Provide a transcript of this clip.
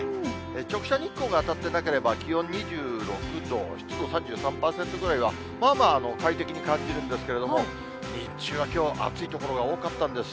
直射日光が当たってなければ、気温２６度、湿度３３％くらいは、まあまあ快適に感じるんですけれども、日中はきょう、暑い所が多かったんです。